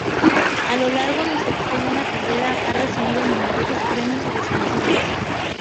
A lo largo de su extensa carrera ha recibido numerosos premios y distinciones.